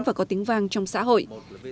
và có tính vang trong xã hội